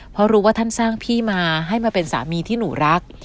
เพราะรู้ว่าท่านสร้างพี่มาให้มาเป็นสามีที่หนูรัก